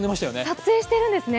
撮影しているんですね。